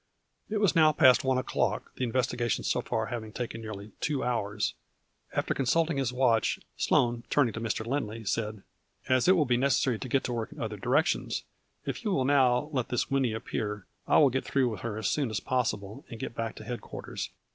It was now past one o'clock, the investigation so far having taken nearly two hours. After consulting his watch, Sloane, turning to Mr. Lindley, said :" As it will be necessary to get to work in other directions, if you will now let this Winnie appear, I will get through with her as soon as possible and get back to head quarters.